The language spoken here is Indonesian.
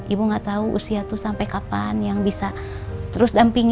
ibu nggak tahu usia tuh sampai kapan yang bisa terus dampingin fahri